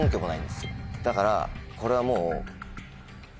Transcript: だからこれはもう。